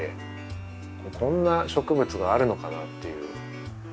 こんな植物があるのかなっていう。